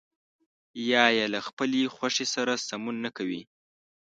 یا يې له خپلې خوښې سره سمون نه کوي.